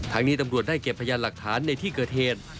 นี้ตำรวจได้เก็บพยานหลักฐานในที่เกิดเหตุ